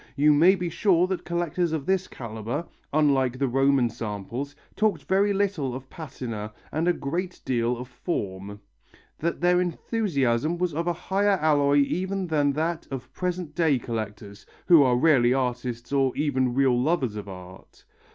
You may be sure that collectors of this calibre, unlike the Roman samples, talked very little of patina and a great deal of form, that their enthusiasm was of a higher alloy even than that of present day collectors, who are rarely artists or even real lovers of art.